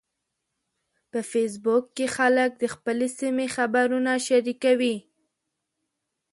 په فېسبوک کې خلک د خپلې سیمې خبرونه شریکوي